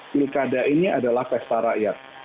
pilkada ini adalah pesta rakyat